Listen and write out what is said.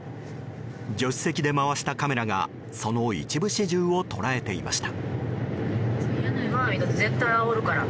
助手席で回したカメラがその一部始終を捉えていました。